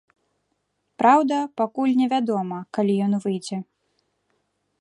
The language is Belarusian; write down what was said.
Праўда, пакуль не вядома, калі ён выйдзе.